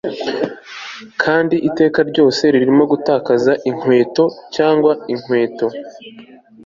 Kandi iteka ryose ririmo gutakaza inkweto cyangwa inkweto